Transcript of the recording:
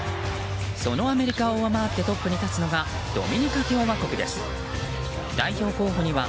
そのアメリカを上回ってトップに立つのがドミニカ共和国です。